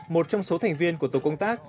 một trong số thành viên của tổ công tác